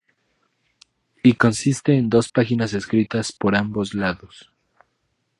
Y consiste en dos páginas escritas por ambos lados.